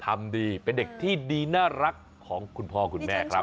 ทำดีเป็นเด็กที่ดีน่ารักของคุณพ่อคุณแม่ครับ